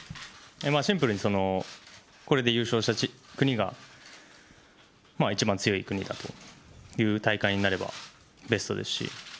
シンプルにこれで優勝した国が一番強い国だという大会になればベストですし。